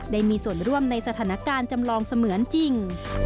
ได้มีส่วนร่วมในสถานการณ์จำลองเสมือนจริง